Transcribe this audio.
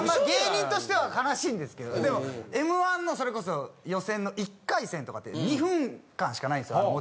芸人としては悲しいんですけどでも『Ｍ−１』のそれこそ予選の１回戦とかって２分間しかないんですよ